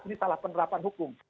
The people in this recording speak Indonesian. ini salah penerapan hukum